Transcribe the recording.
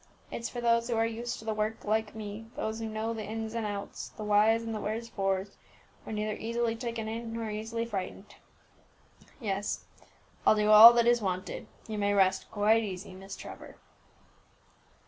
It's for those who are used to the work, like me; those who know the ins and the outs, the whys and the wherefores; who are neither easily taken in, nor easily frightened. Yes, I'll do all that is wanted, you may rest quite easy, Miss Trevor."